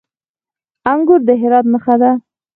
انګور د هرات نښه ده.